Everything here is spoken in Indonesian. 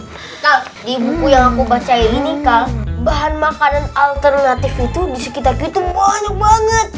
nah di bumbu yang aku bacain ini kak bahan makanan alternatif itu di sekitar itu banyak banget